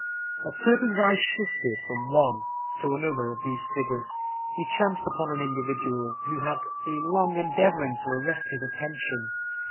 As Turpin's eye shifted from one to another of these figures, he chanced upon an individual who had been long endeavoring to arrest his attention.